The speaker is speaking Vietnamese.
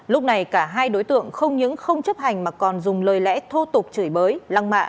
lúc này cả hai đối tượng không những không chấp hành mà còn dùng lời lẽ thô tục chửi bới lăng mạ